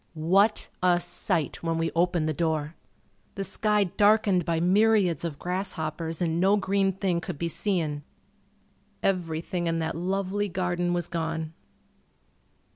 What a sight when we opened the door! The sky darkened by myriads of grasshoppers and no green thing could be seen. Everything in that lovely garden was gone.